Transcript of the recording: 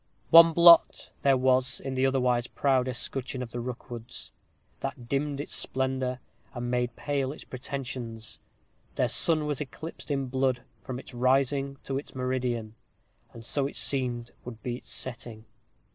One blot there was in the otherwise proud escutcheon of the Rookwoods, that dimmed its splendor, and made pale its pretensions: their sun was eclipsed in blood from its rising to its meridian; and so it seemed would be its setting.